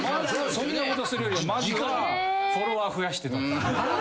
そんなことするよりまずはフォロワー増やしてた。